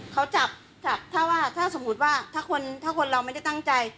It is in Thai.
เขาจับถ้าสมมติว่าถ้าคนเราไม่ได้ตั้งใจ